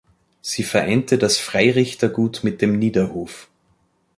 Sie vereinte das Freirichtergut mit dem Niederhof.